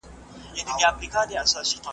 نه یې شور سته د بلبلو نه یې شرنګ سته د غزلو ,